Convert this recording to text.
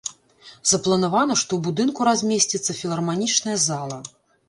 Запланавана, што ў будынку размесціцца філарманічная зала.